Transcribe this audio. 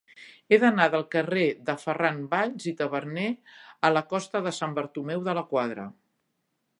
He d'anar del carrer de Ferran Valls i Taberner a la costa de Sant Bartomeu de la Quadra.